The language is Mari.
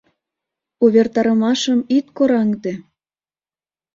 — Увертарымашым ит кораҥде!